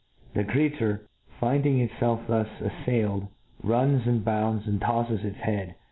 The creature, 'finding itfelf thus afiadled^ runs, smd bounds, and tofles its head.